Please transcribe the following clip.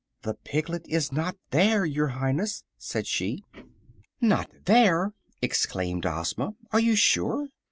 "The piglet is not there, your Highness," said she. "Not there!" exclaimed Ozma. "Are you sure?"